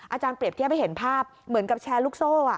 เปรียบเทียบให้เห็นภาพเหมือนกับแชร์ลูกโซ่